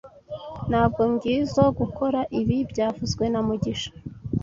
Ntabwo ngizoe gukora ibi byavuzwe na mugisha